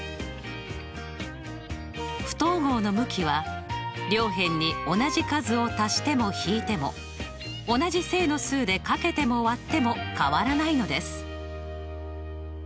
不等号の向きは両辺に同じ数を足しても引いても同じ正の数で掛けても割っても変わらないのです。